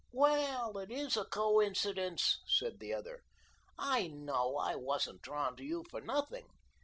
"Well, it IS a coincidence," said the other. "I know I wasn't drawn to you for nothing.